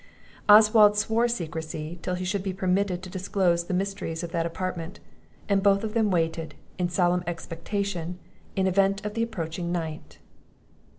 Oswald swore secrecy till he should be permitted to disclose the mysteries of that apartment; and both of them waited, in solemn expectation, the event of the approaching night.